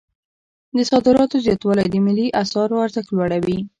د صادراتو زیاتوالی د ملي اسعارو ارزښت لوړوي.